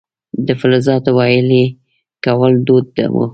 د فلزاتو ویلې کول دود و